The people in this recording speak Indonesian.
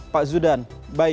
pak zudan baik